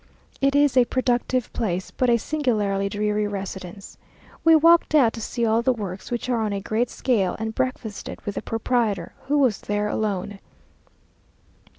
It is a productive place, but a singularly dreary residence. We walked out to see all the works, which are on a great scale, and breakfasted with the proprietor, who was there alone.